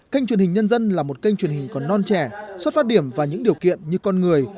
kênh truyền hình nhân dân là một kênh truyền hình còn non trẻ xuất phát điểm vào những điều kiện như con người